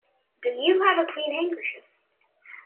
Do you have a clean handkerchief?